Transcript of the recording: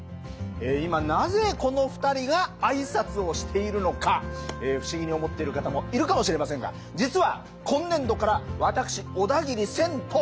今なぜこの２人が挨拶をしているのか不思議に思っている方もいるかもしれませんが実は今年度から私小田切千と。